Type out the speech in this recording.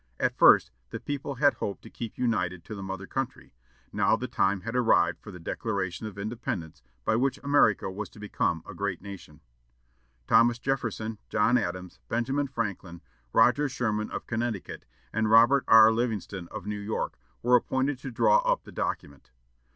At first the people had hoped to keep united to the mother country; now the time had arrived for the Declaration of Independence, by which America was to become a great nation. Thomas Jefferson, John Adams, Benjamin Franklin, Roger Sherman of Connecticut, and Robert R. Livingston of New York were appointed to draw up the document.